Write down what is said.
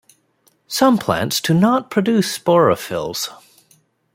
Some plants do not produce sporophylls.